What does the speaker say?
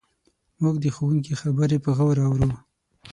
موږ د ښوونکي خبرې په غور اورو.